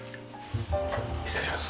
失礼します。